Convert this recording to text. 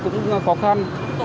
cũng khó khăn